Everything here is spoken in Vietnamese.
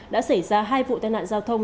đã xảy ra hai vụ tai nạn giao thông